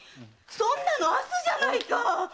そんなの明日じゃないか！